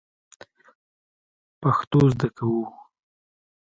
پښتو زده کوو